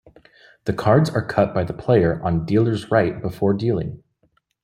The cards are cut by the player on dealer's right before dealing.